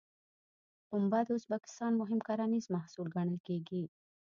پنبه د ازبکستان مهم کرنیز محصول ګڼل کېږي.